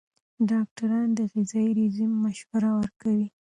ډاکټران د غذايي رژیم مشوره ورکوي.